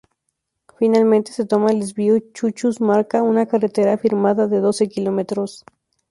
Finalmente se toma el desvío Chucchus-Marca, una carretera afirmada de doce kilómetros.